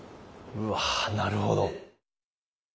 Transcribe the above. うわなるほど。